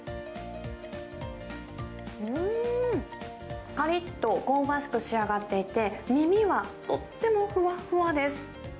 うーん、かりっと香ばしく仕上がっていて、耳はとってもふわふわです。